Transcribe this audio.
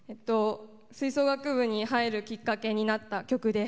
吹奏楽部に入るきっかけになった曲です。